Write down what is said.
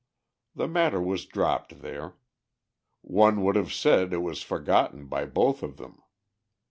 The matter was dropped there; one would have said it was forgotten by both of them.